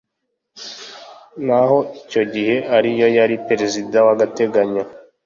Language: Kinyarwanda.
naho icyo gihe ariyo yari Perezida w’agateganyo